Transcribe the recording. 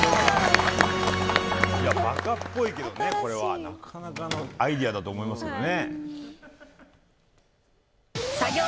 ばかっぽいけどね、なかなかのアイディアだと思いますけどね。